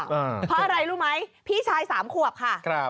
เพราะอะไรรู้ไหมพี่ชาย๓ขวบค่ะ